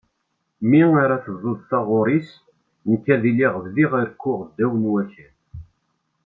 Mi ara tebduḍ taɣuri-s nekk ad iliɣ bdiɣ rekkuɣ ddaw n wakal.